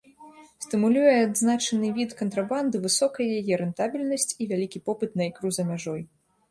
Стымулюе адзначаны від кантрабанды высокая яе рэнтабельнасць і вялікі попыт на ікру за мяжой.